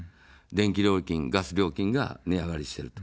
電気料金、ガス料金が値上がりしている。